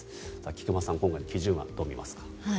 菊間さん、今回の基準案どう見ますか？